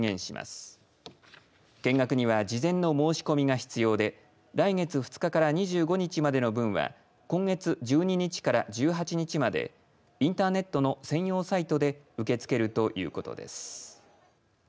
見学には事前の申し込みが必要で来月２日から２５日までの分は今月１２日から１８日までインターネットの専用サイトで受け付けるということです。